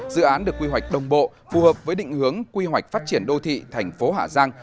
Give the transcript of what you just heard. dự án được quy hoạch đồng bộ phù hợp với định hướng quy hoạch phát triển đô thị thành phố hà giang